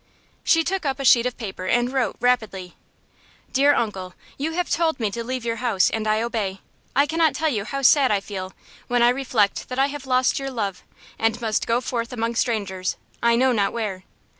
She took up a sheet of paper, and wrote, rapidly: "Dear Uncle: You have told me to leave your house, and I obey. I cannot tell you how sad I feel, when I reflect that I have lost your love, and must go forth among strangers I know not where.